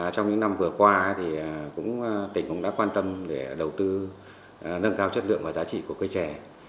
trong những năm vừa qua tỉnh cũng đã quan tâm để đầu tư nâng cao chất lượng và giá trị của cây trẻ